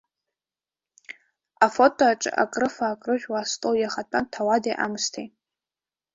Афото аҿы акрыфа-акрыжәуа астол иахатәан ҭауади-аамысҭеи.